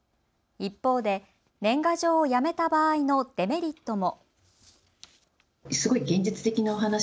一方で年賀状をやめた場合のデメリットも。